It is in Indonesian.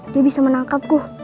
dia bisa menangkapku